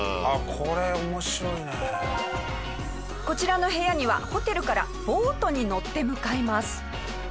こちらの部屋にはホテルからボートに乗って向かいます。